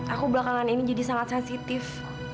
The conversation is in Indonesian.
aku belakangan ini jadi sangat sensitif